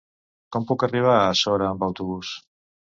Com puc arribar a Sora amb autobús?